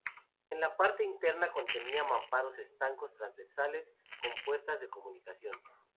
En la parte interna contenía mamparos estancos transversales, con puertas de comunicación.